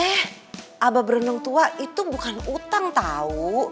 eh abah berenang tua itu bukan utang tahu